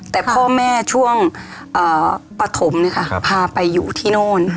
แต่พ่อแม่ช่วงปฐมพาไปอยู่ที่โน่น